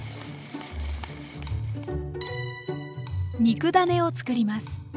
肉ダネを作ります。